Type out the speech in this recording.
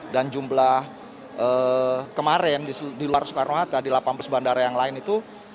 dan jumlah kemarin di luar soekarno hatta di delapan belas bandara yang lain itu